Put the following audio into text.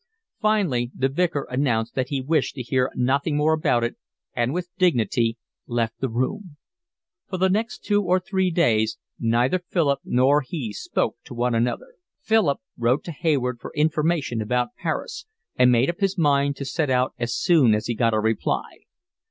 Finally the Vicar announced that he wished to hear nothing more about it and with dignity left the room. For the next three days neither Philip nor he spoke to one another. Philip wrote to Hayward for information about Paris, and made up his mind to set out as soon as he got a reply.